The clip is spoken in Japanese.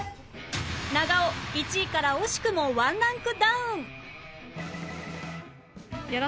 長尾１位から惜しくも１ランクダウン